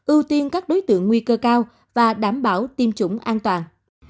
ưu tiên các đối tượng nguy cơ cao và đảm bảo tiêm chủng an toàn